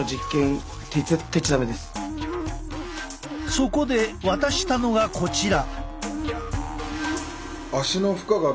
そこで渡したのがこちら。